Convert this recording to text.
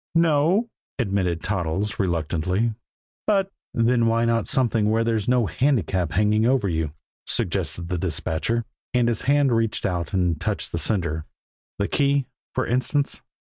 "No o," admitted Toddles reluctantly; "but " "Then why not something where there's no handicap hanging over you?" suggested the dispatcher and his hand reached out and touched the sender. "The key, for instance?"